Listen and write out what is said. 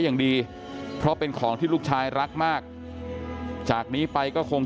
อย่างดีเพราะเป็นของที่ลูกชายรักมากจากนี้ไปก็คง